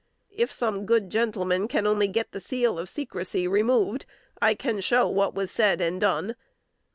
If some good gentleman can only get the seal of secrecy removed, I can show what was said and done.